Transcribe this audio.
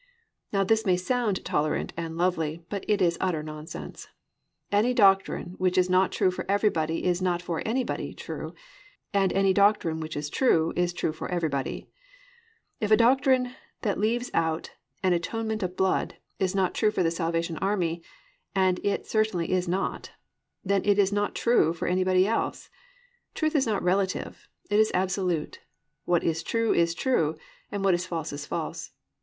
Now this may sound tolerant and lovely, but it is utter nonsense. Any doctrine which is not true for everybody is not for anybody true, and any doctrine which is true is true for everybody. If a doctrine that leaves out "an atonement of blood" is not true for the Salvation Army—and it certainly is not—it is not true for anybody else. Truth is not relative; it is absolute. What is true is true, and what is false is false.